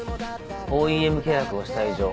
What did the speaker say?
ＯＥＭ契約をした以上